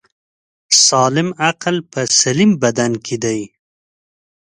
سالم عقل په سلیم بدن کی دی